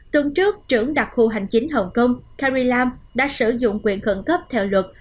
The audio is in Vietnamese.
tuần trước trưởng đặc khu hành chính hồng kông carrie lam đã sử dụng quyền khẩn cấp theo luật